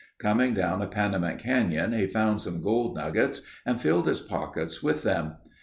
Coming down a Panamint canyon he found some gold nuggets and filled his pockets with them.